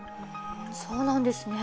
そうなんですね。